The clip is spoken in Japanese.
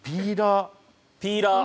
ピーラー。